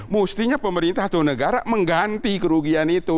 mestinya pemerintah atau negara mengganti kerugian itu